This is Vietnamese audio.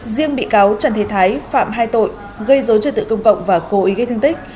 riêng bị cáo trần thế thái phạm hai tội gây dối trật tự công cộng và cố ý gây thương tích